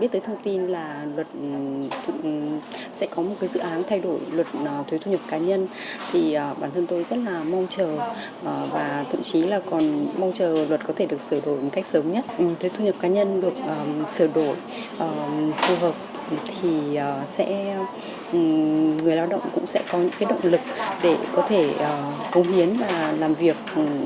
thì người lao động cũng sẽ có những động lực để có thể công hiến và làm việc